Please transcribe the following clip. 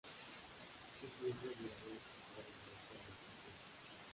Es miembro de la Alianza para la Europa de las Naciones.